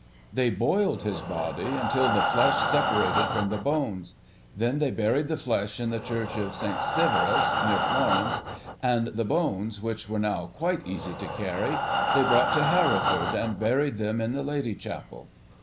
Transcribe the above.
They boiled his body, until the flesh separated from the bones; then they buried the flesh in the Church of St. Severus near Florence, and the bones, which were now quite easy to carry, they brought to Hereford, and buried them in the Lady chapel.